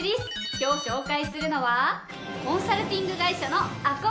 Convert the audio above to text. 今日紹介するのはコンサルティング会社のＡＫＫＯＤｉＳ。